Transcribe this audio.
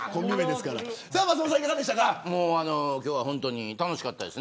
今日は本当に楽しかったです。